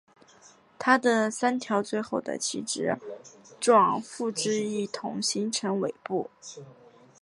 它的三条最后的旗帜状附肢一同形成尾部。